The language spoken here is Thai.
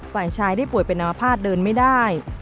ฝ่ายชายได้ป่วยเป็นอาภาษณเดินไม่ได้